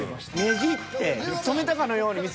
ねじって止めたかのように見せて。